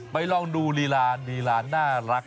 ลองดูลีลาลีลาน่ารัก